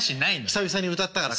久々に歌ったから歌詞。